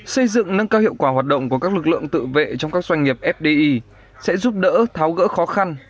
xây dựng nâng cao hiệu quả hoạt động của các lực lượng tự vệ trong các doanh nghiệp fdi sẽ giúp đỡ tháo gỡ khó khăn